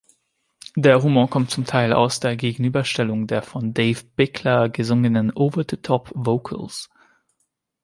Der Humor kommt zum Teil aus der Gegenüberstellung der von Dave Bickler gesungenen Over-the-Top-Vocals.